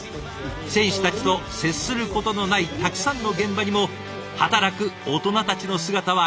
選手たちと接することのないたくさんの現場にも働くオトナたちの姿はありました。